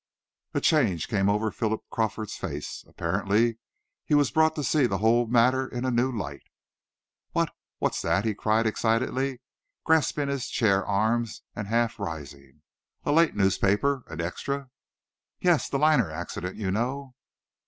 A change came over Philip Crawford's face. Apparently he was brought to see the whole matter in a new light. "What? What's that?" he cried excitedly, grasping his chair arms and half rising. "A late newspaper! An extra!" "Yes; the liner accident, you know."